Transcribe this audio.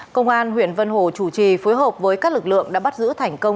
công an huyện vân hồ chủ trì phối hợp với các lực lượng đã bắt giữ thành công